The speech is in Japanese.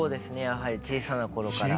やはり小さな頃から。